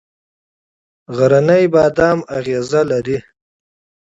غرنی بادام اغزي لري؟